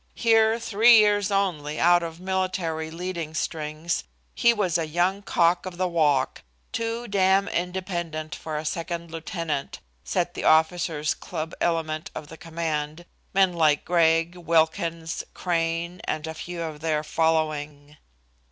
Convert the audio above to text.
Here, three years only out of military leadingstrings, he was a young cock of the walk, "too dam' independent for a second lieutenant," said the officers' club element of the command, men like Gregg, Wilkins, Crane and a few of their following.